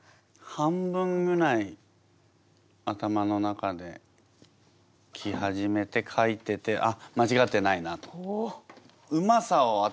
半分ぐらい頭の中で来始めて書いててあっまちがってないなと。